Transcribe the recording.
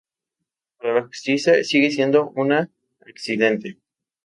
Para la justicia sigue siendo una accidente.